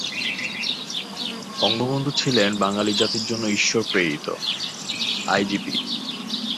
বঙ্গবন্ধু ছিলেন বাঙালি জাতির জন্য ঈশ্বরপ্রেরিত: আইজিপি